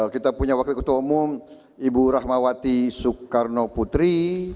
kita punya wakil ketua umum ibu rahmawati soekarno putri